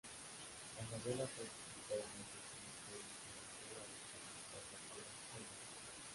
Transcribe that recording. La novela fue publicada en Argentina por Ediciones B Argentina, bajo el sello Vergara.